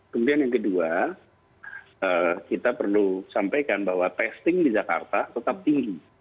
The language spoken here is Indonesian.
kemudian yang kedua kita perlu sampaikan bahwa testing di jakarta tetap tinggi